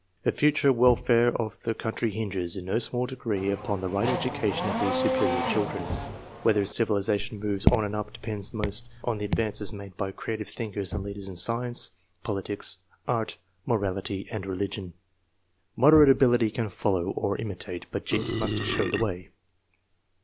The future wel fare of the country hinges, in no small degree, upon the right education of these superior children. Whether civi lization moves on and up depends most on the advances made by creative thinkers and leaders in science, politics, art, morality, and religion. Moderate ability can follow, or imitate, but genius must show the way.